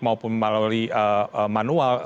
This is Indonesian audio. maupun melalui manual